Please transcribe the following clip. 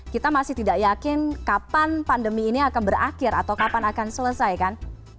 kita masih tidak yakin kapan pandemi ini akan berakhir atau kapan akan selesai kan